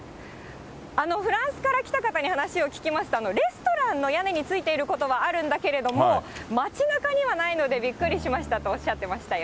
フランスから来た方に話を聞きますと、レストランの屋根についていることはあるんだけれども、街なかにはないのでびっくりしましたとおっしゃってましたよ。